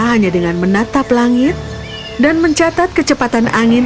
hanya dengan menatap langit dan mencatat kecepatan angin